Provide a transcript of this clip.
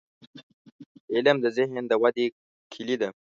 • علم، د ذهن د ودې کلي ده.